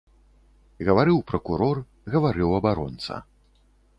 Гаварыў пракурор, гаварыў абаронца.